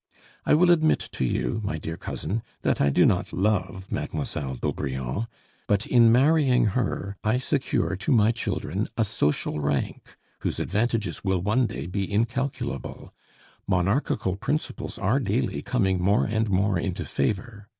I will admit to you, my dear cousin, that I do not love Mademoiselle d'Aubrion; but in marrying her I secure to my children a social rank whose advantages will one day be incalculable: monarchical principles are daily coming more and more into favor.